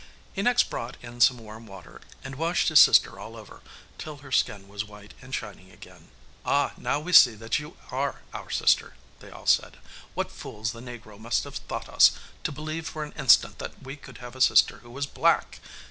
He next brought in some warm water, and washed his sister all over, till her skin was white and shining again. 'Ah, now we see that you are our sister!' they all said. 'What fools the negro must have thought us, to believe for an instant that we could have a sister who was black!